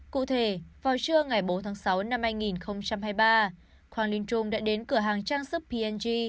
cụ thể vào trưa ngày bốn tháng sáu năm hai nghìn hai mươi ba hoàng linh trung đã đến cửa hàng trang sức p g